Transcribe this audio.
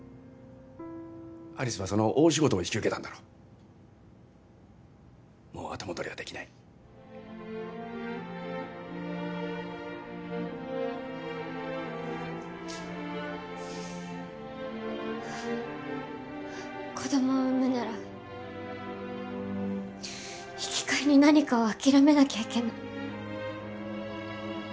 有栖はその大仕事を引き受けたんだろもう後戻りはできない子どもを産むなら引き換えに何かを諦めなきゃいけない